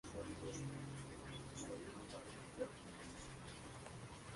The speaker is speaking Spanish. Por lo tanto, es un tipo de arroz muy raro en todo el mundo.